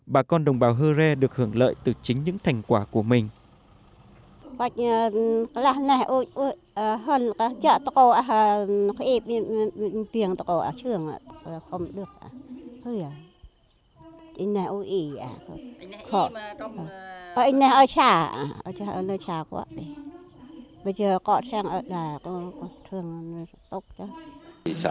bà con đồng bào hơ re được hưởng lợi từ chính những thành quả của mình